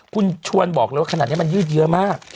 คุณชวนบอกเลยว่าขนาดนี้มันยืดเยอะมาก